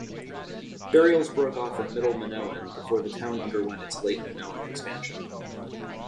Burials broke off in Middle Minoan, before the town underwent its Late Minoan expansion.